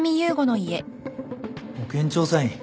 保険調査員？